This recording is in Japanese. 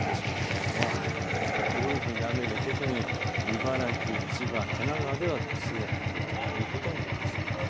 ですから広い範囲で特に茨城、千葉、神奈川では強く降るということになります。